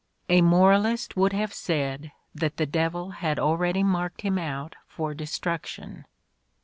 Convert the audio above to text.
A moralist would have said that the devil had already marked him out for destruc tion.